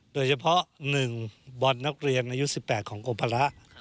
โดยเฉพาะ๑บอลนักเรียนอายุ๑๘ของกรมภาระ